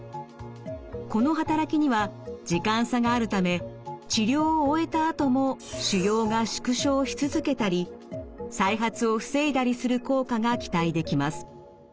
この働きには時間差があるため治療を終えたあとも腫瘍が縮小し続けたり再発を防いだりする効果が期待できます。